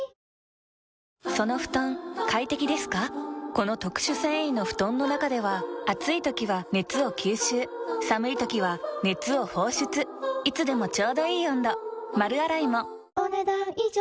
この特殊繊維の布団の中では暑い時は熱を吸収寒い時は熱を放出いつでもちょうどいい温度丸洗いもお、ねだん以上。